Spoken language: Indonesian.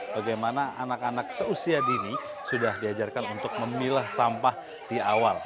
bagaimana anak anak seusia dini sudah diajarkan untuk memilah sampah di awal